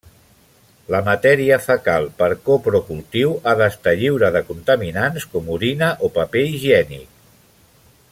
La matèria fecal per coprocultiu ha d'estar lliure de contaminants com orina o paper higiènic.